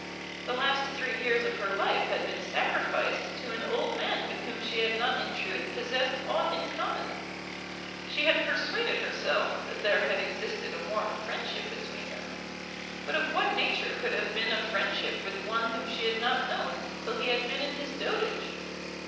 The last three years of her life had been sacrificed to an old man with whom she had not in truth possessed aught in common. She had persuaded herself that there had existed a warm friendship between them; but of what nature could have been a friendship with one whom she had not known till he had been in his dotage?